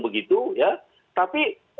begitu ya tapi